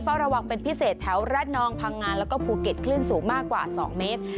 ระวังเป็นพิเศษแถวระนองพังงานแล้วก็ภูเก็ตคลื่นสูงมากกว่า๒เมตร